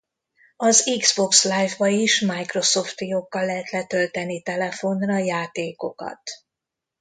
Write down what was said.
Az Xbox Live-ba is Microsoft- fiókkal lehet letölteni telefonra játékokat.